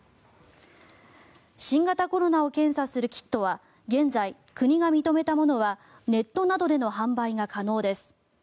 新型コロナを検査するキットは現在、国が認めたものはネットなどでの販売が可能です。